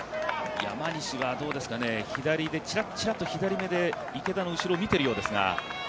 山西がどうですかね、左でちらっちらっと左目で池田の後ろを見ているようですが。